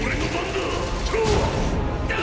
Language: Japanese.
だ